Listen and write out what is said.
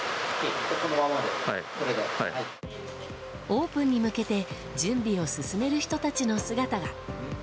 オープンに向けて準備を進める人たちの姿が。